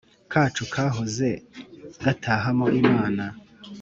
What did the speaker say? kacu kahoze gatahamo Imana.